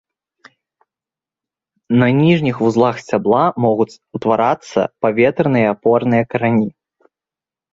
На ніжніх вузлах сцябла могуць утварацца паветраныя апорныя карані.